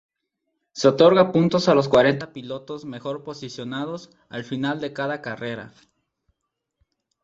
Se otorga puntos a los cuarenta pilotos mejor posicionados al final de cada carrera.